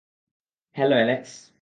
Hello, Alex.